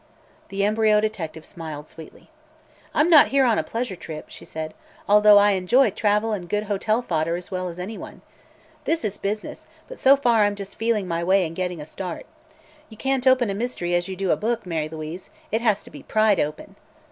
The embryo detective smiled sweetly. "I'm not here on a pleasure trip," she said, "although I enjoy travel and good hotel fodder as well as anyone. This is business, but so far I'm just feeling my way and getting a start. You can't open a mystery as you do a book, Mary Louise; it has to be pried open.